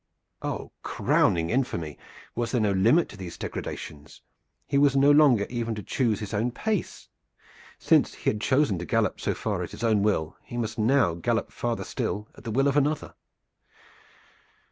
Oh, crowning infamy! Was there no limit to these degradations? He was no longer even to choose his own pace. Since he had chosen to gallop so far at his own will he must now gallop farther still at the will of another.